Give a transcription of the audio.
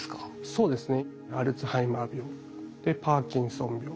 そうですね。